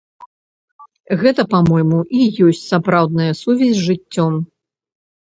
Гэта, па-мойму, і ёсць сапраўдная сувязь з жыццём.